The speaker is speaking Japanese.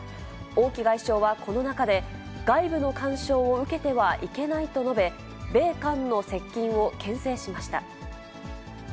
王毅外相はこの中で、外部の干渉を受けてはいけないと述べ、米韓の接近をけん制しました。